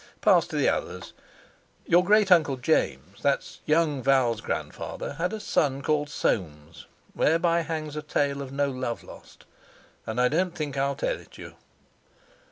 Pass to the others! Your great uncle James, that's young Val's grandfather, had a son called Soames—whereby hangs a tale of no love lost, and I don't think I'll tell it you.